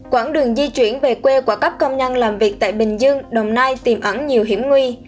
quảng đường di chuyển về quê của các công nhân làm việc tại bình dương đồng nai tiềm ẩn nhiều hiểm nguy